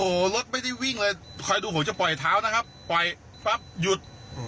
โอ้โหรถไม่ได้วิ่งเลยคอยดูผมจะปล่อยเท้านะครับปล่อยปั๊บหยุด